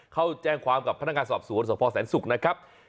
เขาแจ้งความกับพนักงานสอบศูนย์สมภาษาแสงสุขนะครับ